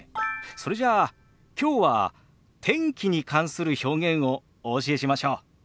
それじゃあきょうは天気に関する表現をお教えしましょう。